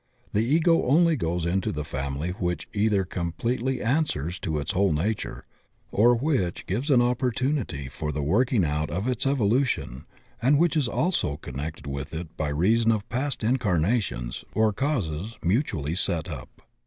ITie Ego goes only into the family which either completely answers to its whole nature, or which gives an opportunity for the working out of its evo lution, and which is also connected with it by reason of past incarnations or causes mutually set up.